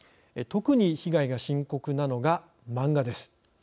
特に被害が深刻なのが漫画です。